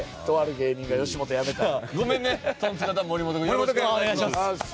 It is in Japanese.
よろしくお願いします！